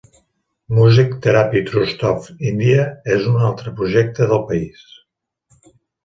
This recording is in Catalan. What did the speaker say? "Music Therapy Trust of India" és un altre projecte del país.